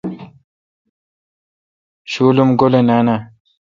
شُول ام گولے نان آ؟